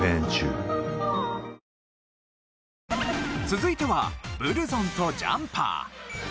続いてはブルゾンとジャンパー。